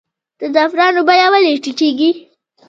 د زعفرانو بیه ولې ټیټیږي؟